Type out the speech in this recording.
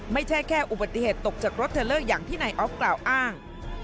ไม่ใช่แค่อุบัติเหตุตกจากรถเทลเลอร์อย่างที่นายออฟกล่าวอ้าง